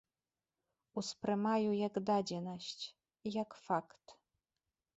Успрымаю як дадзенасць, як факт.